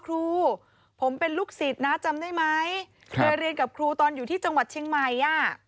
ครูผมเป็นลูกศิษย์นะจำได้ไหมเคยเรียนกับครูตอนอยู่ที่จังหวัดเชียงใหม่อ่ะ